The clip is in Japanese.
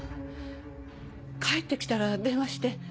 帰って来たら電話して。